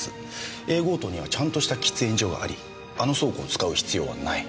Ａ号棟にはちゃんとした喫煙所がありあの倉庫を使う必要はない。